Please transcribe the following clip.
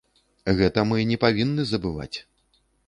Гэта мы не павінны забываць.